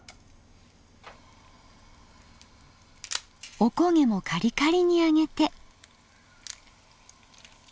おこげもカリカリに揚げて。